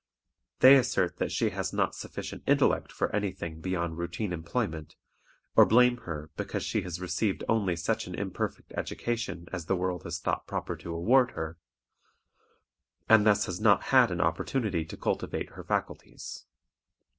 They assert that she has not sufficient intellect for any thing beyond routine employment, or blame her because she has received only such an imperfect education as the world has thought proper to award her, and thus has not had an opportunity to cultivate her faculties.